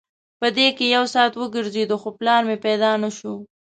په دې کې یو ساعت وګرځېدو خو پلار مې پیدا نه شو.